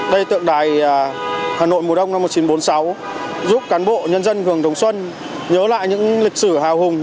đây tượng đài hà nội mùa đông năm một nghìn chín trăm bốn mươi sáu giúp cán bộ nhân dân phường đồng xuân nhớ lại những lịch sử hào hùng